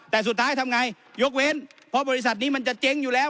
แต่สุดท้ายทำไงยกเว้นเพราะบริษัทนี้มันจะเจ๊งอยู่แล้ว